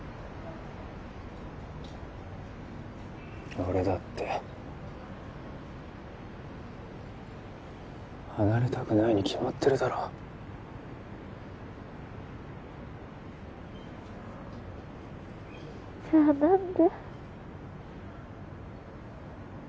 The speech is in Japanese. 俺だって離れたくないに決まってるだろじゃあ何で？